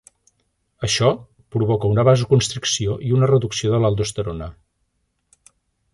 Això, provoca una vasoconstricció i una reducció de l'aldosterona.